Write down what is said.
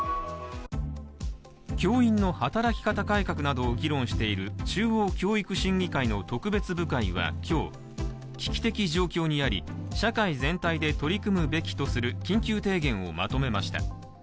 教員の働き方改革などを議論している中央教育審議会の特別部会は今日、危機的状況にあり、社会全体で取り組むべきとする緊急提言をまとめました。